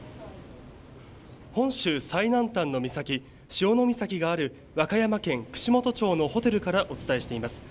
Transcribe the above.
本州最南端の岬、潮岬がある和歌山県串本町のホテルからお伝えしています。